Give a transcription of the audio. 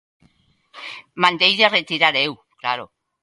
Mandeilla retirar eu, claro.